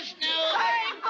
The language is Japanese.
はい！